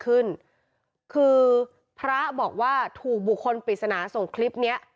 ขึ้นคือพระบอกว่าถูกบุคคลปริศนาส่งคลิปเนี้ย